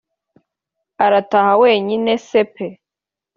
arataha wenyine se pe